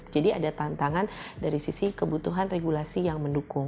jadi ada tantangan dari sisi kebutuhan regulasi yang mendukung